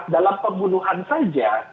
dalam pembunuhan saja